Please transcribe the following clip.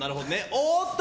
おっと！